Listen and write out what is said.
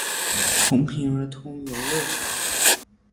重平儿童游戏场